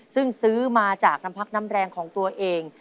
ซึ่งซื้อมาจากน้ำพักน้ำแรงของตัวเอง